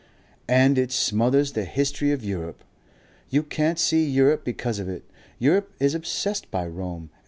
"And it smothers the history of Europe. You can't see Europe because of it. Europe is obsessed by Rome.